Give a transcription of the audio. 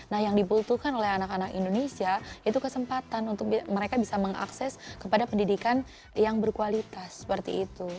nah yang dibutuhkan oleh anak anak indonesia itu kesempatan untuk mereka bisa mengakses kepada pendidikan yang berkualitas seperti itu